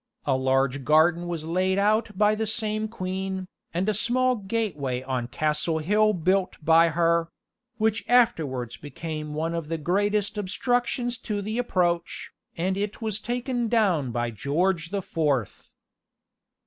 A large garden was laid out by the same queen, and a small gateway on Castle Hill built by her which afterwards became one of the greatest obstructions to the approach, and it was taken down by George the Fourth.